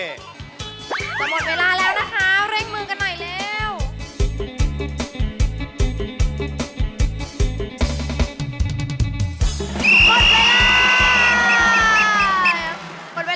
จุ่มแล้วก็ติดพอดี